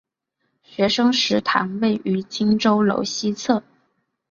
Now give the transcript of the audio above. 学生食堂位于荆州楼西侧。